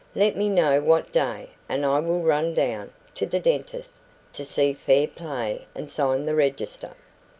Let me know what day, and I will run down (to the dentist) to see fair play and sign the register.